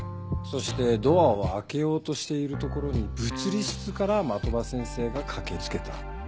そしてドアを開けようとしているところに物理室から的場先生が駆け付けた。